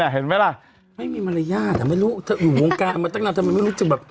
เห็นไหมล่ะไม่มีมารยาทอ่ะไม่รู้เธออยู่วงการมาตั้งนานทำไมไม่รู้จะแบบ